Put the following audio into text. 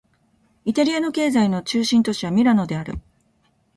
イタリアの経済の中心都市はミラノである